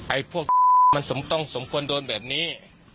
ไอ้พวกมันต้องสมควรโดนแบบนี้